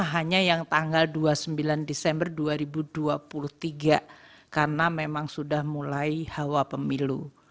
hanya yang tanggal dua puluh sembilan desember dua ribu dua puluh tiga karena memang sudah mulai hawa pemilu